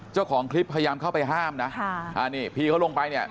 เจ้าของคลิปพยายามเข้าไปห้ามนะค่ะอ่านี่พี่เขาลงไปเนี่ย